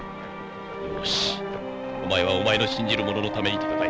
よしお前はお前の信じるもののために戦え。